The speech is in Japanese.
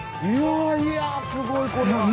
いやいやすごい。